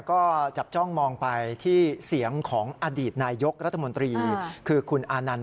ก็จับจ้องมองไปที่เสียงของอดีตนายกรัฐมนตรีคือคุณอานันต์